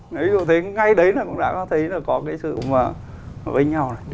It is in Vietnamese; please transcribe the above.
ví dụ như thế ngay đấy là cũng đã có cái sự hợp với nhau